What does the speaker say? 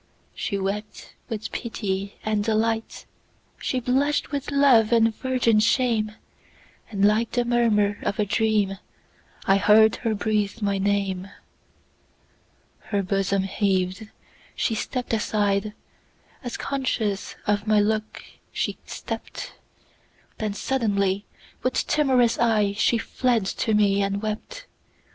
She wept with pity and delight, She blush'd with love and virgin shame; And like the murmur of a dream,I heard her breathe my name. Her bosom heaved—she stepp'd aside, As conscious of my look she stept—Then suddenly, with timorous eyeShe fled to me and wept.